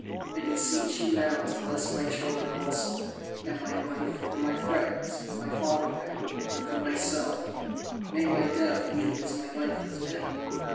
I beseech you now to bless my children also, and my wife, and my friends, and my fatherland; and for myself, may my death be as my life has been."